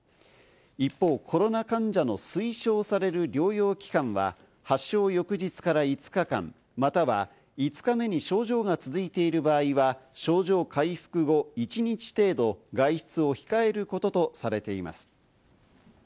一方、コロナ患者の推奨される療養期間は発症翌日から５日間、または５日目に症状が続いている場合は症状回復後１日程度外出を控えることとされています。